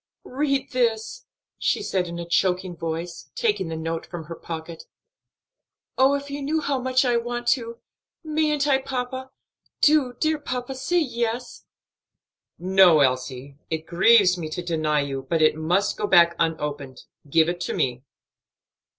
"Read this," she said, in a choking voice, taking the note from her pocket. "Oh, if you knew how much I want to! Mayn't I, papa? do, dear papa, say yes." "No, Elsie; it grieves me to deny you, but it must go back unopened. Give it to me."